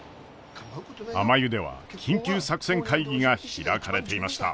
あまゆでは緊急作戦会議が開かれていました。